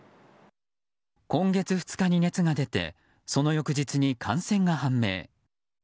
今月２日に熱が出てその翌日に感染が判明。